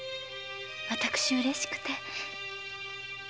私うれしくて。